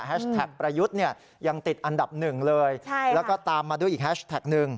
ประยุทธ์เนี่ยยังติดอันดับหนึ่งเลยแล้วก็ตามมาด้วยอีกแฮชแท็กหนึ่ง